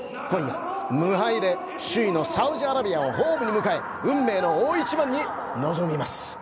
今夜、無敗で首位のサウジアラビアをホームに迎え運命の大一番に臨みます。